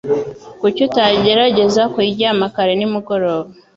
Kuki utagerageza kuryama kare nimugoroba